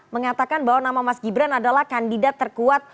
mengatakan bahwa nama mas gibran adalah kandidat terkuat